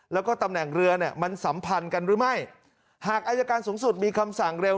แล้วก็ตำแหน่งเรือเนี่ยมันสัมพันธ์กันหรือไม่หากอายการสูงสุดมีคำสั่งเร็ว